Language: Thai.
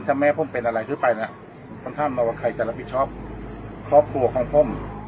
ถ้าแม่ผมเป็นอะไรที่ไปนะคุณท่านมาวัดใครจะรับผิดครอบครอบครัวของผม